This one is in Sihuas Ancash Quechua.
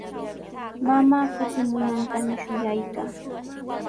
Mamaa kutimunantami shuyaykaa.